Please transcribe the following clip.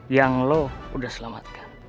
yang lo udah selamatkan